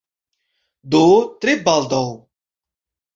Do, tre baldaŭ